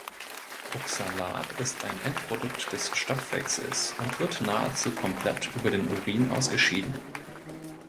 Oxalat ist ein Endprodukt des Stoffwechsels und wird nahezu komplett über den Urin ausgeschieden.